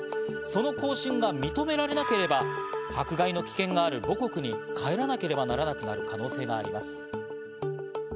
その更新が認められなければ、迫害の危険がある母国に帰らなければならなくなる可能性があります。